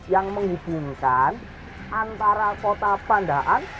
yang menghubungkan antara kota pandaan